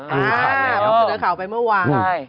จะเข่าไปเมื่อว่าน